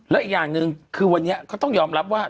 แล้วอีกอย่างหนึ่งคือวันนี้ก็ต้องยอมรับว่า